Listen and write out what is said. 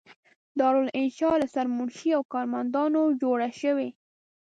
دارالانشأ له سرمنشي او کارمندانو جوړه شوې.